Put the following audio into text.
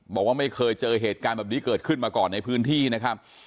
บอกว่าไม่เคยเจอเหตุการณ์แบบนี้เกิดขึ้นมาก่อนในพื้นที่นะครับ